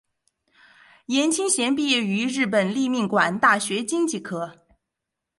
颜钦贤毕业于日本立命馆大学经济科。